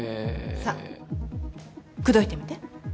さあ口説いてみて。